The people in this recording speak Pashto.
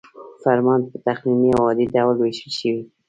فرمان په تقنیني او عادي ډول ویشل شوی.